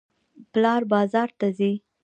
پلار بازار ته ځي.